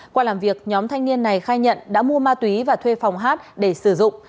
qua làm việc nhóm thanh niên này khai nhận đã mua ma túy và thuê phòng hát để sử dụng